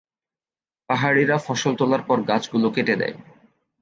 পাহাড়িরা ফসল তোলার পর গাছগুলো কেটে দেয়।